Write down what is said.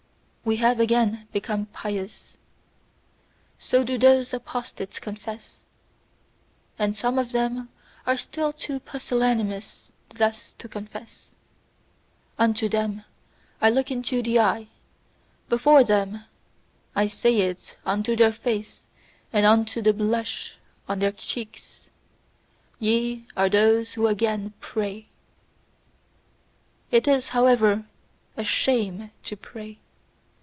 "We have again become pious" so do those apostates confess; and some of them are still too pusillanimous thus to confess. Unto them I look into the eye, before them I say it unto their face and unto the blush on their cheeks: Ye are those who again PRAY! It is however a shame to pray!